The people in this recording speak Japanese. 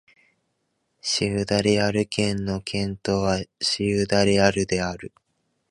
シウダ・レアル県の県都はシウダ・レアルである